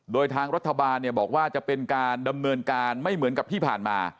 โดยทางรัฐบาลบอกว่าจะเป็นการดำเนินการไม่เหมือนกับที่ผ่านมา